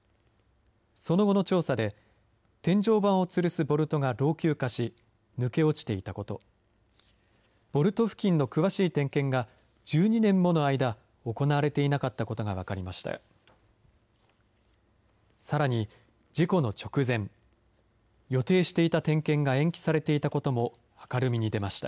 その後の調査で、天井板をつるすボルトが老朽化し、抜け落ちていたこと、ボルト付近の詳しい点検が１２年もの間、行われていなかったことが分かりました。